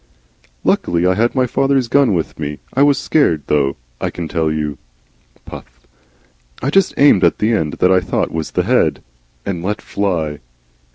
"Luckily I had my father's gun with me. I was scared, though, I can tell you. (Puff.) I just aimed at the end that I thought was the head. And let fly.